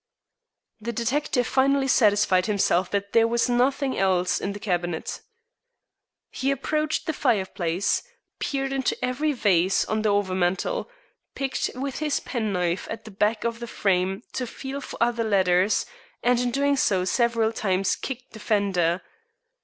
The detective finally satisfied himself there was nothing else in the cabinet. He approached the fireplace, peered into every vase on the over mantel, picked with his penknife at the back of the frame to feel for other letters, and in doing so several times kicked the fender.